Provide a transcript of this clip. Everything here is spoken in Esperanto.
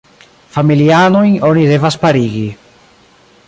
Familianojn oni devas parigi.